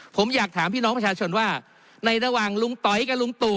ผมอยากถามพี่น้องประชาชนว่าในระหว่างลุงต๋อยกับลุงตู่